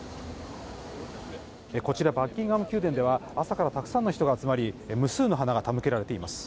こちらバッキンガム宮殿では朝からたくさんの人が集まり無数の花が手向けられています。